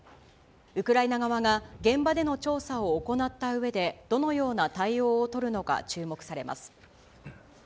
ウクライナ側が現場での調査を行ったうえで、どのような対応を取るのか注目されます。